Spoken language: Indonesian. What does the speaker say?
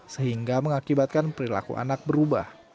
sehingga mengakibatkan perilaku anak berubah